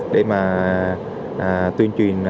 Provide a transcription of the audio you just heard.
để mà tuyên truyền